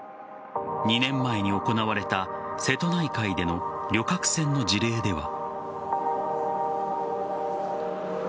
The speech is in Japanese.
２年前に行われた瀬戸内海での旅客船の事例では。